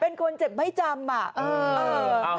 เป็นคนเจ็บไม่จำอ่ะ